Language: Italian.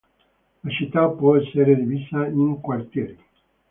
La città può essere divisa in quartieri.